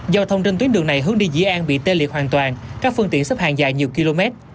giao thông trên tuyến đường này hướng đi dĩ an bị tê liệt hoàn toàn các phương tiện xếp hàng dài nhiều km